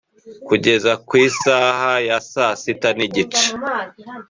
kugeza ku isaha ya saa sita n’igice